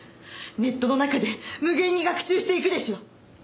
ネットの中で無限に学習していくでしょう。